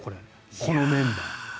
このメンバー。